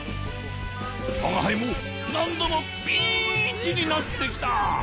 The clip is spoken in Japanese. わがはいもなんどもピンチになってきた。